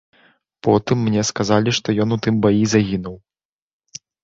Потым мне сказалі, што ён у тым баі загінуў.